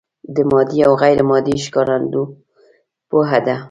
د مادي او غیر مادي ښکارندو پوهه ده.